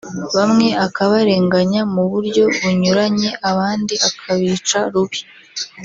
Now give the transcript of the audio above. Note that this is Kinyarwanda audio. bamwe akabarenganya mu buryo bunyuranye abandi akabica rubi